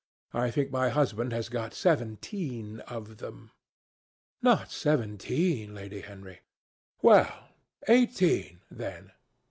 I think my husband has got seventeen of them." "Not seventeen, Lady Henry?" "Well, eighteen, then.